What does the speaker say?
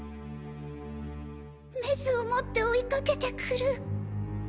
メスを持って追いかけてくる。